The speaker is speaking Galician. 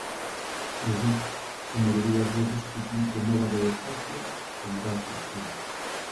Iso si, son maioría os gregos que din que Nova Democracia gañará as eleccións.